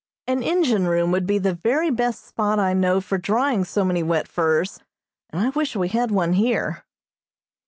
An engine room would be the very best spot I know for drying so many wet furs, and I wish we had one here.